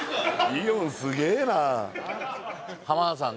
イオンすげえな田さん